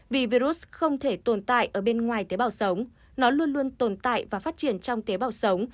vì virus không thể tồn tại ở bên ngoài tế bào sống nó luôn luôn tồn tại và phát triển trong tế bào sống